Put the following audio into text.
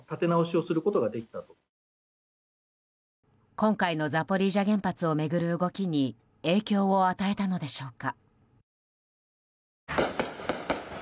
今回のザポリージャ原発を巡る動きに影響を与えたのでしょうか。